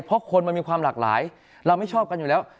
เพราะคนมันมีความหลากหลายเราไม่ชอบกันอยู่แล้ว